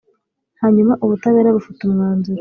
hanyuma ubutabera, bufata umwanzuro